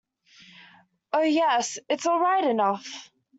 Oh, yes, it's all right enough.